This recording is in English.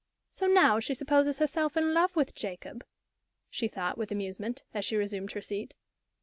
"So now she supposes herself in love with Jacob?" she thought, with amusement, as she resumed her seat.